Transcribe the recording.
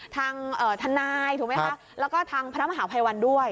ทางทนายถูกไหมคะแล้วก็ทางพระมหาภัยวันด้วย